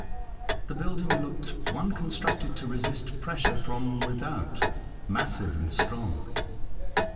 The building looked one constructed to resist pressure from without — massive and strong.